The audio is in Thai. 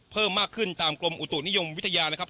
เพิ่มมากขึ้นตามกรมอุตุนิยมวิทยานะครับ